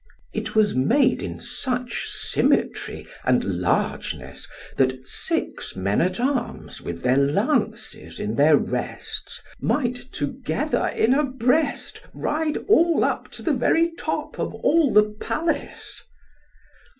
It was made in such symmetry and largeness that six men at arms with their lances in their rests might together in a breast ride all up to the very top of all the palace.